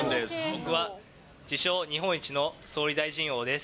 僕は自称、日本一の総理大臣王です。